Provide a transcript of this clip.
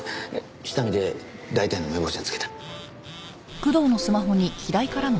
下見で大体の目星はつけた。